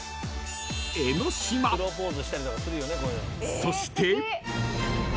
［そして］